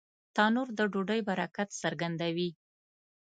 تنور د ډوډۍ برکت څرګندوي